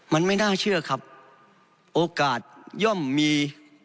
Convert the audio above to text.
มันไม่น่าเชื่อครับโอกาสย่อมมี